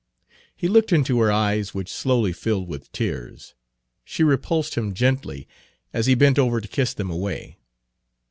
He looked into her eyes, which slowly filled with tears. She repulsed him gently as he bent over to kiss them away.